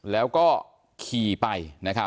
แล้วก็ขี่ไป